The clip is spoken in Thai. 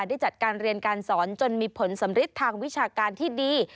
ได้จัดการเรียนการสอนจนมีผลสำริดทางวิชาการที่ดี